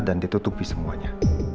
dan ditutupi semuanya